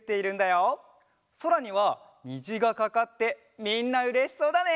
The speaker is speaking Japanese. そらにはにじがかかってみんなうれしそうだね！